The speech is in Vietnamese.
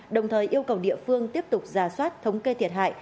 đồng thời yêu cầu địa phương tiếp tục giả soát thống kê thiệt hại